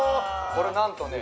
これなんとね